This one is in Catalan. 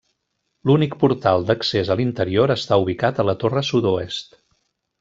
L'únic portal d'accés a l'interior està ubicat a la torre sud-oest.